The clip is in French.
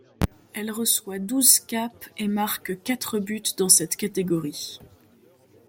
Elle reçoit douze capes et marque quatre buts dans cette catégorie.